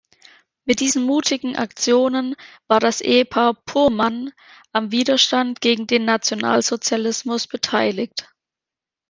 Mit diesen mutigen Aktionen war das Ehepaar Purrmann am Widerstand gegen den Nationalsozialismus beteiligt.